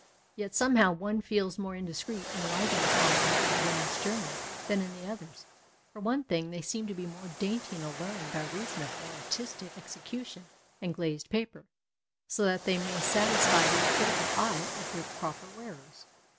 Yet, somehow, one feels more indiscreet in lighting upon them in the women's journals than in the others. For one thing, they seem to be more dainty and alluring by reason of more artistic execu tion and glazed paper, so that they may satisfy the critical eye of their proper wearers.